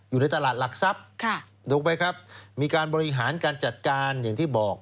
อยู่ในตลาดหลักทรัพย์ถูกไหมครับมีการบริหารการจัดการอย่างที่บอก